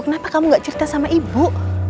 kenapa kamu gak cerita sama ibu